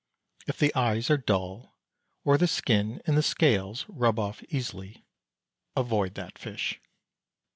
If the eyes are dull, or the skin and the scales rub off easily, avoid that fish.